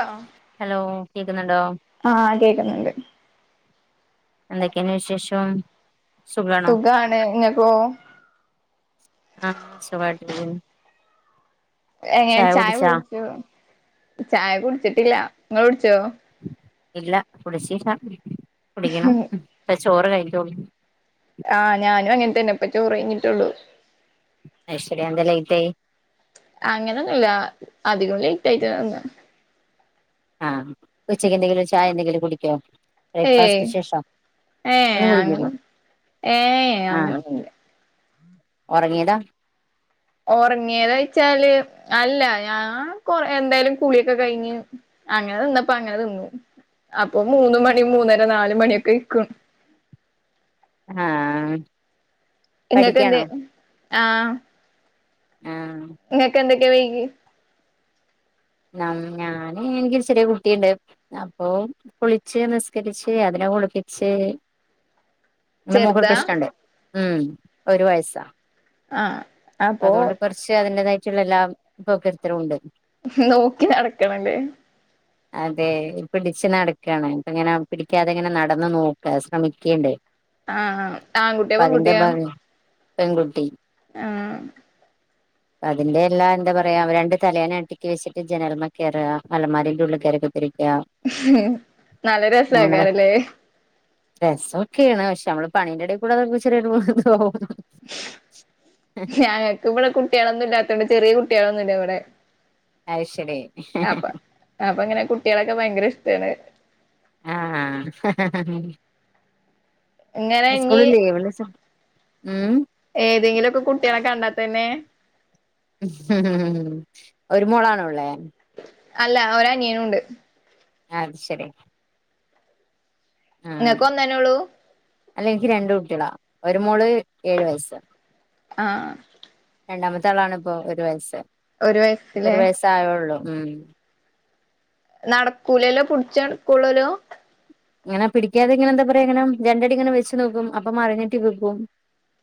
ആ ഹലോ കേക്കുന്നുണ്ടോ ആഹ കേക്കുന്നുണ്ട് എന്തൊക്കെണ് വിശേഷം സുഖാണോ സുഖാണ് ഇങ്ങക്കോ എന്തൊക്കെണ് എ ചായ കുടിച്ചു ചായ കുടിച്ചിട്ടില്ല ങ്ങള് കുടിച്ചോ ഇല്ല കുടിച്ചീല്ല കുടിക്കണം ചോറ് കഴിക്കോ ആഹ ഞാനും അങ്ങനെത്തന്നെപ്പൊ ചോറെഞ്ഞിട്ടുള്ളു അത് ശരി അന്തേ ലേറ്റ് ആയി അങ്ങനെന്നുമല്ല അധികം ലേറ്റ് ആയിട്ട തിന്ന ആഹ ഉച്ചയ്ക്ക് എന്തെങ്കിലും ചായ എന്തെങ്കിലും കുടിക്കോ ഏയ് ബ്രേക്ക്ഫാസ്റ്റിന് ശേഷം ഏ ഒന്നും അങ്ങനെ കുടിക്കുള്ളൂ ഏ അങ്ങനൊന്നുല്ല ഒറങ്ങിയതാ ഉറങ്ങിയോന്നോയ്ച്ചാല് അല്ല ഞാൻ കൊറ എന്തായാലും കുളിയൊക്കെ കഴിഞ്ഞ് അങ്ങനെ ന്നിന്നപ്പോ അങ്ങനെ ന്നിന്നു അപ്പൊ മൂന്ന് മണി മൂന്നര നാല് മണിയൊക്കെ അയ്ക്കും ആഹ ഇങ്ങക്കെ എന്ത് ആഹ് ആഹ് നിങ്ങക്കെ എന്തയ് വൈകി ന ഞാന് എനിക്ക് ചെറിയ കുട്ടിയുണ്ട് അപ്പൊ കുളിച്ച് നിസ്കരിച്ച് അതിനെ കുളിപ്പിച്ച് എന്റെ മോൾക് ഒരു ചെറുതാ പ്രശ്നണ്ട് ഉം ഒരു വയസാ ആഹ അതുകൊണ്ട് കുറച്ച് അതിന്റെതായി റ്റുള്ള എല്ലാം [unintelligible] ഉണ്ട് നോക്കി നടക്കണല്ലേ അതെ പിടച്ച് നടക്കയാണ് ഇപ്പ ഇങ്ങനെ പിടിക്കാതെ ഇങ്ങനെ നടന്നു നോക്ക ശ്രമിക്കേണ്ട് ആഹ് ആൺ കുട്ടിയാ പെൺകുട്ടിയാ ഭംഗി പെൺകുട്ടി ആഹ് അതിന്റെ എല്ലാ എന്താ പറയാ രണ്ട് തലയാണ അടിക്കി വെച്ചിട്ട് ജനൽമേ കയറുക- അലന്മാരിന്റെറെ ഉള്ളി കയറിട്ട് [unintelligible] നല്ല രസ ആക്കാറല്ലേ രസോക്കെയാണ് പക്ഷെ നമ്മള് പണീന്റെ ഇടയിക്കുടെ ചെറിയ [unintelligible] ഞങ്ങക്ക് ഇവിടെ കുട്ടികളൊന്നുല്ലാ- ത്തോണ്ട് ചെറിയ കുട്ടികളൊന്നും ഇല്ല ഇവിടെ അയ് ശെരി അപ്പൊ അപ്പൊ ഇങ്ങനെ കുട്ടികളൊക്കെ ഭയങ്കര ഇഷ്ടാണ് ആഹ് [unintelligible] ഇങ്ങനെ ഇന്ന് സ്കൂൾ ഇല്ലേ [unintelligible] ഉം ഏതെങ്കിലുവോക്കെ കുട്ടിയളെ കണ്ടാ തന്നെ- ഒരു മോളാണോ ഉള്ളേ അല്ല ഒരനിയയനും ഉണ്ട് അത് ശരി ആഹ് നിങ്ങക്ക് ഒന്ന് തന്നേ ഉള്ളൂ അല്ല എനിക്ക് രണ്ട് കുട്ടികളാ ഒരു മോള് ഏഴ് വയസ് ആഹ് രണ്ടാമത്തെ ആളാണ് ഇപ്പോ ഒരു വയസ്സ് ഒരു ഇപ്പൊ വയസിലേ ഒരു വയസ്സായുള്ളൂ ഉം നടക്കൂലല്ലോ പിടിച്ചടുക്കൂളല്ലോ ഇങ്ങനെ പിടിക്കാതെ ഇങ്ങനെന്താ പറയാ ഇങ്ങനെ രണ്ടടി ഇങ്ങനെ വെച്ച് നോക്കും അപ്പം മറിഞ്ഞിട്ട് വിക്കും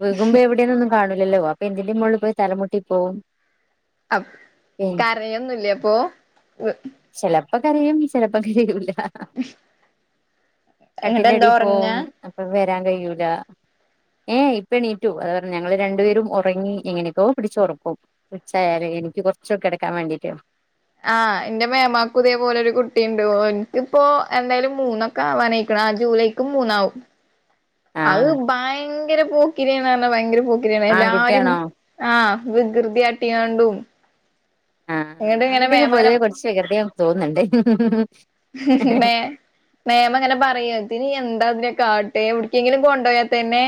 വികുമ്പോ എവിടെയെന്നോന്നും കാണൂലല്ലോ അപ്പൊ എന്തിന്റെ മുകളിൽ പോയി തലമുട്ടി പോവും അ കരയൊന്നുല്ലേ അപ്പൊ ചില പ്പൊ കരയും ചിലപ്പം കരയുല എന്നിട്ട് എന്താ കട്ടിന്റെടി പോവും ഉറങ്ങാ അപ്പ വ വരാൻ കഴിയൂല ഏഹ് ഇപ്പണീറ്റു അത പറഞ്ഞ ഞങ്ങൾ രണ്ടുപേരും ഉറങ്ങി എങ്ങനൊക്കെ പിടിച്ച് ഉറക്കും ഉച്ചായാല എനിക്ക് കുറച്ച് കിടക്കാൻ വേണ്ടീട്ട് ആഹ് എന്റെ മേമാക്കും ഇതേ പോലെ ഒരു കുട്ടിയുണ്ട് ഓനിക്കിപ്പോ എന്തായാലും മൂന്നൊക്കെ ആവാനായിക്കണ ആ ജൂലൈക്ക് മൂന്നാവും അത് ആഹ് ഭയ പോക്കിരി ന്ന് പറഞ്ഞ ഭയങ്കര പോ പോക്കിരിയാണ് എല്ലാരും ആൺകുട്ടിയാണോ ആ വികൃതിയാട്ടിയാണ്ടും ആ എന്നിട്ട് ഇങ്ങനെ ആങ്കുട്ടിക്ക് മേമ ഇങ്ങനെ പൊതുവെ കുറച്ച് വികൃതിയാണ് തോന്ന്ണ്ട് മേം മേം അങ്ങനെ പറയാതിരി എന്ത് എന്താ പിന്നെ കാട്ടെവിടെക്കെൻങ്കിലും കൊണ്ടോയതന്നെ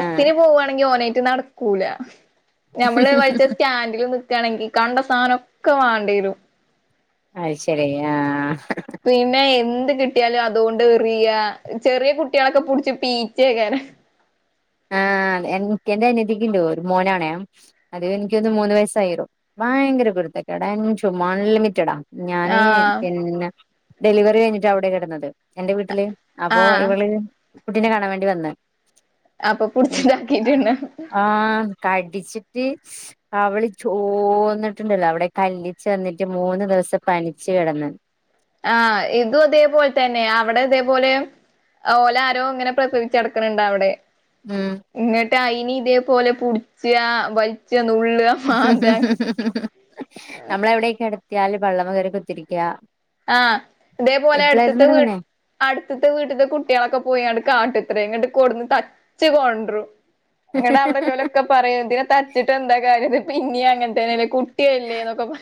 ആഹ് പോവണെങ്കി ഓനായിട്ട് നടക്കൂല നമ്മള് വലിച്ചാ സ്റ്റാൻഡില് [unintelligible] ഇക്കാണെങ്കി കണ്ട സനൊക്കെ വാണ്ടിവരും അയ്ശരി ആഹ്ഹ് പിന്നെ എന്ത് കിട്ടിയാലും അതുകൊണ്ട് എന്ത്‌ ചെറിയ കുട്ടിയോളൊക്കെ പടിച്ച് പീച്ച്‌യേക്കാനെ ആഹ് എനിക്ക് എന്റെ അനത്തിക്ക്ണ്ട് ഒരു മോനാണെ അതിവനിക്ക്വന്ന് മൂന്ന് വയസായി ഭയങ്കര കുരുത്തക്കേടാ എൻഡും അൺലിമിറ്റഡാ ഞാനേ ആഹ് പിന്നെ ഡെലിവറികഴിഞ്ഞിട്ട് അവിടെയാകെടന്നത് എന്റെ വീട്ടില്. അപ്പോ ആഹ് ഇവള് കുട്ടിനെ കാണാൻവേണ്ടി വന്ന് അപ്പൊ പുടിച്ചുണ്ടാക്കിട്ടന്നെ ആഹ് കടിച്ചിട്ട് കവ്ള് ചോന്നിട്ടുണ്ടല്ലോ അവിടെ കല്ലിച്ചുന്നിട്ട് മൂന്ന് ദിവസം പനിച്ചു കിടന്ന് ആഹ് ഇതും അതേപോലെത്തന്നെ അവിടെ അതേപോലെ ഓലാരോ ഇങ്ങനെ പ്രസപിച്ചടക്ക്ണണ്ടവടെ ഹ്മ് ഇനി ഇതേപോലെ പുടിച്ച്ആ വലിച്ചാ ഹ്മ്മ്-ഹ്മ്മ്-ഹ്മ്മ്-ഹ്മ്മ്-ഹ്മ്മ്-ഹ്മ്മ്-ഹ്മ് നമ്മളവ്ള്ണ്ടെയില്ക്ക് [unintelligible] ദിയാൽ പള്ളമകേറി കുത്തിരിക്ക്ആ ആഹ് ഇതേപോലെ അടുത്ത്ത്തെ വീ പെണ്ണെ അടുത്തത്തെ വീട്ടത്തെ കുട്ടികളൊക്കെ പോയാണ്ട് കാട്ടുംത്രേ ഇങ്ങണ്ട് കൊണ്ട്ന്ന് തച്ച് കൊണ്ടരും ഇങ്ങണ്ടെ അവിടൊള്ളോലൊക്കെ പറയും ഇതിനെ തച്ചിട്ട്ന്താ കാര്യംന്ന് പിന്നെയും അങ്ങനെത്തന്നെലെ കു കുട്ടിയല്ലേന്നൊക്കെ പ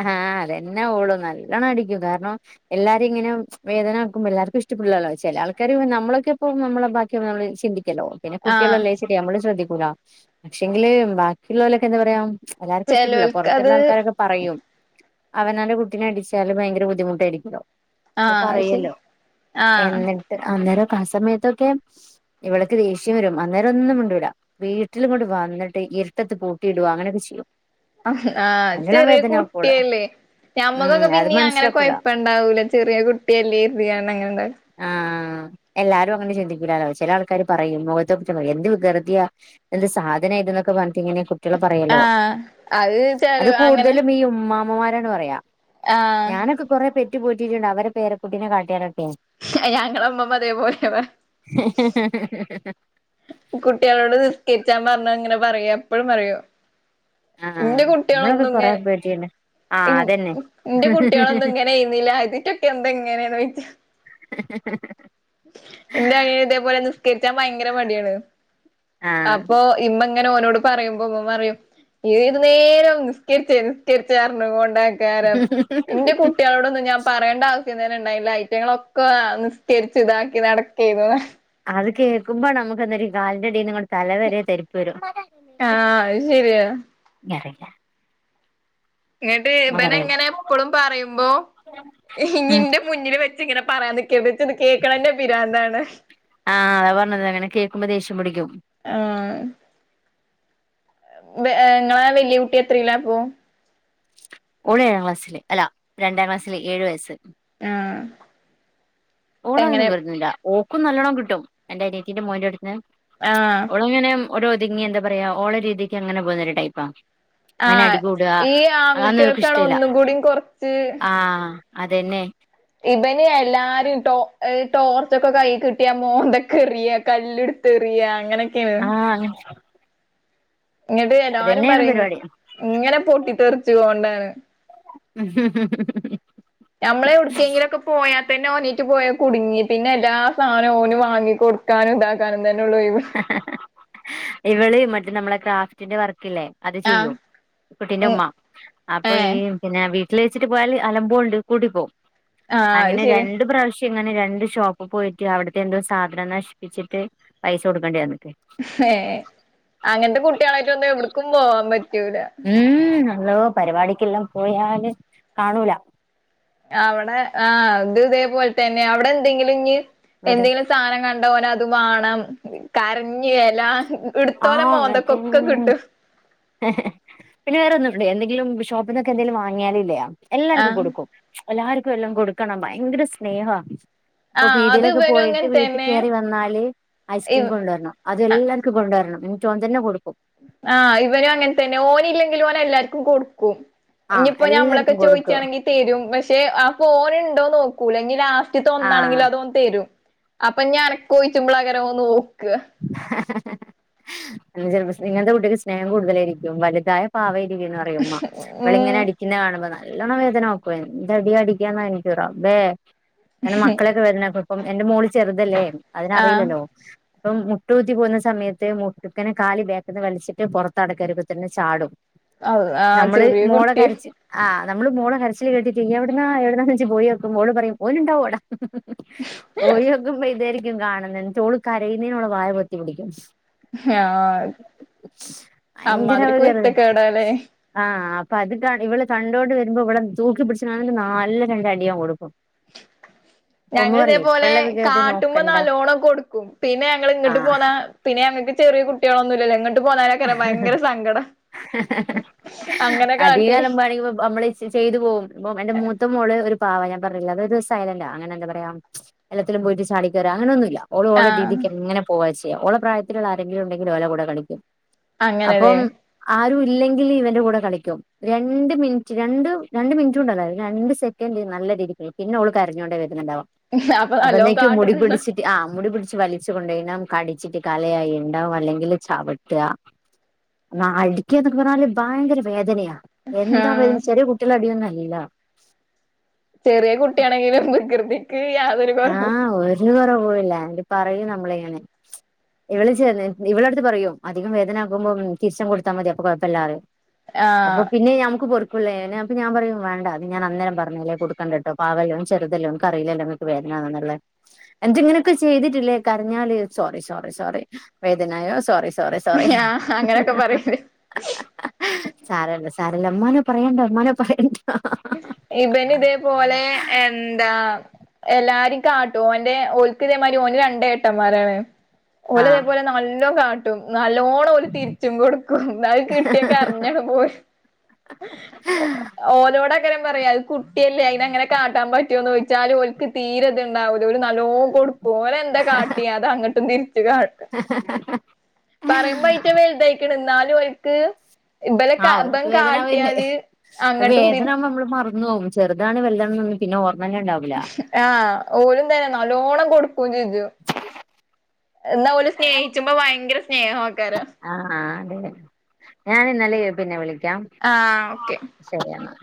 ആഹാ അതെന്നെ ഓളും നല്ലോണം അടിക്കും കാരണം എല്ലാരേംങ്ങനെ വേദനാക്കുമ്പോ എല്ലാർക്കും ഇഷ്ടപ്പെടില്ലല്ലോ ചേലാൾക്കാര് നമ്മളൊക്കെ ഇപ്പോ നമ്മടെബാക്കി നമ്മള് ചിന്തി എല്ലോം പിന്നെ ആഹ് കുട്ടികളല്ലേ ശരി നമ്മളും ശ്രദ്ധി പക്ഷെങ്കില് ബാക്കിയുള്ളവലൊക്കെന്താ പറയാ എല്ലാർക്കും ഇഷ്ടപ്പെടില്ല പുറത്തുള്ള ചെലോൽക്കത് ആൾക്കാരൊക്കെ പറയും അവനൊന്റെ കുട്ടീനടിച്ചാല് ഭയങ്കര ബുദ്ധിമുട്ടായിരിക്കുല്ലോ ആഹ് അത് ശരി അപ്പൊപ്പറയോല്ലോ ആഹ് എന്നിട്ട് അന്നേരം ആ സമയത്തൊക്കെ ഇവളക്ക് ദേഷ്യം വരും അന്നേരം ഒന്നും കൊണ്ട വീട്ടിലും കൊണ്ട് വന്നിട്ട് ഇരുട്ടത്ത് പൂട്ടിയിടുുക അങ്ങനെയൊക്കെ ചെയ്യും ആഹ നല്ലോണം ചെറിയ കു- വേദനാക്കുവോള് കുട്ടിയല്ലേ ഉം ഞമ്മക്കൊക്കെ അത് പിന്നീ അങ്ങനെ മനസ്സിലാക്കൂല കൊഴപ്പ ഇണ്ടാവൂല ചെറിയ കുട്ടിയല്ലേ എരുതിയാണ് അങ്ങനെണ്ടാവ ആ എല്ലാരും അങ്ങനെ ചിന്തിക്കില്ലാലോ ചില ആൾക്കാര്ർ പറയും മുഖത്തെക്ക പറയും എന്ത് വികൃതിയ എന്ത് സാധന ഇത എന്നൊക്കെ പറഞ്ഞി ഇങ്ങനെ കുട്ടികള് പറയല്ലോ ആഹ അത് വിച്ചരു അങ്ങനെ മാമമാരാണ് പറയാ ആഹ് ഞാനൊക്കെകൊറേ പെ പോറ്റിട്ടുണ്ട് അവരെ പേര കുട്ടിനെ കാട്ടിയേനൊക്കെ ഞങ്ങളെ ഉമ്മമ്മ അതേ പോലെ വാ കുട്ടികളോട് നിസ്കരിച്ചാൻ പറഞ്ഞാ ഇങ്ങനെ പറയും എപ്പഴും പറയും. ആഹ് ഇന്റെ ഞങ്ങളൊക്കെ കുട്ടിയൊളൊന്നും കൊറെ ഇങ്ങനെ പേറ്റിണ്ട് ഇൻ ആഹ് അതന്നെ ഇന്റെ കുട്ടിയൊളൊന്നും ഇങ്ങനെ ആയിരുന്നില്ല, ഇതിറ്റൊക്കെ എന്താ ഇങ്ങനെയന്ന് വെച്ച് ഇൻ്റെ അനിയൻ ഇതേപോലെ നിസ്കരി ക്കാൻ ഭയങ്കര മടിയാണ് ആഹ് അപ്പോ ഇമ്മ അങ്ങനെ ഓനോട് പറയുമ്പോ ഉമ്മുമ്മ പറയും ഏത് നേരം നിസ്കരിച്ച നിസ്കരിച്ചാഞ്ഞ് പറഞ്ഞ് കൊണ്ട് ഐക്കാരം എന്റെ കുട്ടികളോടൊന്നും ഞാൻ പറയണ്ട ആവശ്യ ണ്ടായില്ല ഐറ്റങ്ങളൊക്കെ നിസ്കരി ഇതാക്കി നടക്കയിരുന്നു പ അത് കേക്കുമ്പോ നമുക്ക് അന്നേരം ഈ കാലിൻറെ അടീന്ന് ഇങ്ങാട് തല വരെ പരിപ്പ് വെരും ആഹ് അത് ശരിയാ [unintelligible] ഇങ്ങിട്ട് ഇബൻ നമുക്കറിയില്ല ഇങ്ങനെ ഇപ്പഴും പറയുമ്പോ ഇഞ്ഞി ഉം ഇൻ്റെ മുന്നില് വെ ഇജ്ജ് ഇങ്ങനെ പറയാൻ നിക്കരുത്, ഇച്ചിത് കേൾക്കണന്നെ പിരിന്താണ്. ആഹ് അതാ പറഞ്ഞത് അങ്ങനെ കേക്കുമ്പോ ദേഷ്യം പിടിക്കും വെ ഇങ്ങളാ വെല്ല്യ കുട്ടി എത്രേലാപ്പം ഓന് ഏഴാം ക്ലാസ്സില് അല്ല രണ്ടാം ക്ലാസ്സില് ഏഴു വയസ്സ് ഓന് അങ്ങനെ എങ്ങനെ വെരുന്നില്ല ഓക്കും നല്ലോണം കിട്ടും എന്റെനിയത്തീന്റെ മോൻ്റെടുത്ത്ന്ന് ആഹ് ഓളങ്ങനെ ഒര് ഒതുങ്ങി എന്താ പറയാ ഓളെ രീതിക്ക് അങ്ങനെ പോകുന്ന ഒരു ടൈപ്പാ അങ്ങനെ ആഹ് അടികൂടുക ഈ ആൺ അതൊന്നും കുട്ട് ഓക്ക് [unintelligible] ഒന്നും കൂടിയും കൊറച്ച് അതെന്നെ ഇബന് എല്ലാരേം ടോ ടോർച്ചൊക്കെ കൈ കിട്ടിയാ മോന്തക്ക് എറിയാ കല്ലെടുത്ത് എറിയാ ആഹ് അങ്ങ ഞ്ഞ്ട്ട് എല്ലാരും പറീം പരിപാടി ഇങ്ങനെ പൊട്ടിത്തെറി ച്ച്കൊണ്ടാണ് ഞമ്മള് എവ്ടേക്കെങ്കിലു ഒക്കെ പോയാത്തെന്നെ ഓന് പോയാ കുടുങ്ങി പിന്നെ എല്ലാ സാനോം ഓന് വാങ്ങി കൊടുക്കാനും ഇതാക്കാനും ന്നന്നെഒള്ളു ഒഴിവ് ഇവള് മറ്റെ നമ്മളെ ക്രാഫ്റ്റിന്റെ വർക് ക്കില്ലേ? അത് ആഹ് ചെയ്യും കുട്ടിന്റെ ഉം ഉമ്മ. അപ്പൊ ഈ ഏഹ് പിന്നെ വീ [unintelligible] പോയാല് അലമ്പോണ്ട് കൂട്ടി പോവും. ആഹ് അത് അങ്ങനെ ശരിയാ രണ്ട് പ്രാവശ്യ ക്ക് ഇങ്ങനെ രണ്ട് ഷോപ്പി പോയിട്ട് അവിടുത്തെ എന്തോ സാധനം നശിപ്പിച്ചിട്ട് പൈസ കൊടുക്കേണ്ടി വന്നു. ഏഹ് അങ്ങനത്തെ കുട്ടികളായിട്ട് വന്നാ എവിട്ക്കും നോ [unintelligible] മ്ഹ് അല്ലോ പരിപാടിക്കെല്ലാം പോയാല് കാണൂല. അവടെ ആഹ് അത് ഇതേപോലതന്നെ. അവടെ എന്തെങ്കിലും ഞ്ഞ് ഇവിടെ എന്തേലും സാനം കണ്ടാ ഓനത് ത് വാണം. കര ഞ്ഞ് എല്ലാം ഇവിടുത്തോലെ ആഹ് അങ്ങനത്തെ മോന്തക്കൊക്കെ കിട്ടും. ണ്ട്? എന്തെങ്കിലും ഷോപ്പിന്നൊക്കെ എന്തെങ്കിലും വാങ്ങിയാലില്ലെ എല്ലാര്ക്കും ആഹ് കൊടുക്കും. എല്ലാര്ക്കും എല്ലം കൊടുക്കണണ്ട് ഭയങ്കര സ്നേഹ ഇപ്പൊ ആഹ് അത് പീടിലൊക്കെ ഇവനും പോയിട്ട് അങ്ങനെ വീട്ടി തന്നെ ക്കേറി വന്നാല് ഐസ്ക്രീം ഇവ് കൊണ്ടുവരണം എല്ലാര്ക്കു കൊണ്ട് ഒരണം മുത്തോൻ തന്നെ കൊടുക്കും ആഹ് ഇവനും അങ്ങൻ തന്നെ ഓനി ല്ലെങ്കിലും ഓന് എല്ലാർക്കും കൊടുക്കും ആഹ് ഇനിപ്പൊ ഞമ്മള്ക്കെ എല്ലാർക്കും കൊടുക്കും ചോയിച്ചാണെങ്കി തരും പഷേ ആ ഫോണ് ഒന്ന് ഒക്കുല്ലാ ഇനി ലാ ആഹ് റ്റ്തൊന്നാണെങ്കിലും അതോൻ തരും അപ്പൊ ഞാനൊക്കോയിച്ചുമ്പള അങ്ങനെ ആങ്ങ് പോവും ചെലപൊ സ് ഇങ്ങൻത്തെ കുട്ടേക് സ്നേഹം കൂടുതലയിരിക്കും വലുതായ പാവ ക്കും പറഉമ്മ ഇവള ഇങ്ങനെ ഉം അടിക്കുന്ന കാനുമ്പോൾ നല്ലോണം വേദന ഓക്ക് വാരുന്നു എന്ത അടി അടിക്കാന്ന് എന്റ റബ്ബേ പിന്നെ മക്കളൊക്കെ വരുന്ന പ്പം എന്റെ മോള് ചെറുതല്ലേ അതിന് ആഹ് അറിയില്ലല്ലോ അപ്പം മുട്ട ഊത്തി പോകുന്ന സമയത്ത് മുട്ടക്കനെ കാലി ബേക്കന്ന് വലിച്ചിട്ട് പുറത്ത അടക്കരുക്കത്തി ചാടും അ ആ ചെറിയ കുട്ടി ആഹ് നമ്മള് മോള കരച്ചിൽ കേട്ടിട്ട് എവിടന്ന് എവിടന്ന്ച്ച് പോയിനേക്കും ഓള് പറയും ഓല് ഉണ്ടാവും അവിടെ പോഴിനോക്കുബം. ഇതായിരി കാണന്ന് ഇന്നട്ട്‌ ഒള് ക [unintelligible] ഓളെ വായ പൊത്തി പിടിക്കും ആ ഭയങ്കര അമ്മാതിരി വികൃതിയാ കുരുത്തകേെടല്ലേ ആഹ് അപ്പൊ അത് ഇവടെ കണ്ടോണ്ട് വരുമ്പോ ഇവിടെ തൂക്കി പിടച്ച് നല്ല രണ്ട് അടിയാ കൊടുക്കും അപ്പൊ ഉമ്മ ഞങ്ങൾ പറയും ഇതേപോലെ ഇപ്പള്ള വികൃതി കാട്ടുമ്പോ നോക്കണ്ട നല്ലോണംക്കെ കൊടുക്കും പിന്നെ ഞങ്ങൾ ഇങ്ങോട്ട് ആഹ് പോന്നാ പിന്നെഞ ചെറിയ കുട്ടികളൊന്നുമ ഇങ്ങ അങ്ങനെ അധികം കാട്ടി അലമ്പണെങ്കിൽ നമ്മള് ചെയ്തു പോകും ഇപ്പൊ എന്റെ മൂത്ത മോള് ഒരു പാവം ഞാൻ പറഞ്ഞില്ല അത് ഒരു സൈലന്റ ആ അങ്ങനെ എന്താ പറയാ എല്ലത്തിലും പോയിട്ട് ചാടിക്കയറ അങ്ങനൊനുംല്ല ഓള് ഓള ആഹ് രീതിക്ക് അങ്ങനെ പോവാച്ച് ഓളെ പ്രായത്തിലുള്ള ആരെങ്കിലും ഉണ്ടെങ്കില ഒല കൂടെ കളിക്കും അങ്ങനെല്ലേ അപ്പം ആരും ഇല്ലെങ്കിൽ ഇവന്റെ കൂടെ കളിക്കും രണ്ട് മിനിറ്റ് രണ്ട് രണ്ട് മിനിറ്റ് കൊണ്ടല്ല രണ്ട് സെക്കൻറ് നല്ല രീതിക്ക് പിന്നെ അവള് കരഞ്ഞുകോണ്ടേ വര അപ്പൊ [unintelligible] അപ്പ നല്ലോം എന്നക്ക് മുടി കാട്ടണണ്ട് പിടിച്ചിട്ട് ആ മുടി പിട വലിച്ചു കൊണ്ടൈനാ കടിച്ചിട്ട് കലയ ഇണ്ടാവും അല്ലെങ്കില് ചട് ന്ന അടുക്കിയാ എന്നൊക്കെ പറഞ്ഞാല് ഭയങ്കര വേദനയാ എന്താ ആഹ് പറയും ചെറിയ കുട്ടില അടിയെന്ന ഇല്ല ചെറിയ കുട്ടിയാണെങ്കിലും വികൃതിക്ക് യാതൊരു കൊറവും ആഹ് ഒരു കുറ ഓ ഇല്ല ഇ പറയൂ നമ്മളിങ്ങനെ ഇവള് ചെ ഇവളടുത്ത് പറയൂ അധികം വേദന ആക്കുമ്പോം തിരിച്ച് കൊടുത്താ മതി അപ്പൊ കൊഴപ്പല്ലാ അപ്പൊ ആഹ് പിന്നെ ഞമുക്ക് കൊറ പുള്ളേ അപ്പ ഞാൻ പറയും വേണ്ട അ ഞാൻ അന്നേരം പറഞ്ഞില്ലേ കൊടുക്കണ്ട കേട്ടോ പാവല്ലോ ചെുതല്ലേ നക്കറിയീലല്ലോ വേദന എന്തങ്ങനൊക്കെ ചെയ്തിട്ടില്ലേ കരഞ്ഞാല് സോറി സോറി സോറി വേദനായോ സോറി സോറി സോറി ആഹ് അങ്ങനൊക്കെ പറയില്ലേ സാറ സാരല്ല മ്മാനേ പറയണ്ടോ മ്മാനേ പറയണ്ട ഇബന് ഇതേപോലെ എന്താ എല്ലാരും കാട്ടും ഓൻ്റെ ഓൽക്കിതേമാതിരി ഓന് രണ്ട് ഏട്ടന്മാരാണ് ഒലതേ ആഹ് പോലെ നല്ലോ കാ നല്ലോണ്ണം ഒരു തിരിച്ചും കൊടുക്കും എന്ന കിട്ടിയൊക്കെ അറിഞ്ഞാണ് പോയി ഓല് അവിടെക്കം പറയാത് കുട്ടിയല്ലേ അയിന്ങ്ങനെ കാട്ടാൻ പറ്റുമോന്ന് ചോദിച്ചാല് ഓൽക്ക് തീരെത്ണ്ടാവൂല ഒരു നല്ലോ കൊടു ഓനെ എന്താ കാട്ടി അത് അങ്ങട്ട് പറയുമ്പ യിറ്റ വലുതായിക്കണ് ന്നാലും ഓൽക്ക് ഇബലെ ആഹ കാ ഇബൻ അവക്ക് വേദനാവല്ലേ കാട്ടിയാല് അങ്ങട്ടും വേദന തിരി നമ്മള് മറ ന്നോവും ചെറതാണ് വല്താണ് പിന്നെ ഓർ ആഹ ഓലും തന്നെ നല്ലോണം കൊടു ജു എന്ന ഓല് സ്നേഹിച്ചുമ്പോ ഭയങ്കര സ്നേഹ ആക്കാരം ഞാനിന്നാലെ പിന്നെ വിളിക്ക ആഹ് ഓക്കെ ശരിയെന്നാ